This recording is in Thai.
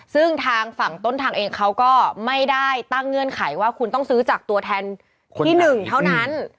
ซึ่งทางฝั่งต้นทางเองเขาก็ไม่ได้ตั้งเงื่อนไขว่าคุณต้องซื้อจากตัวแทนที่๑เท่านั้น